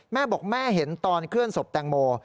แม่บอกแม่เห็นตอนเคลื่อนศพแตงโม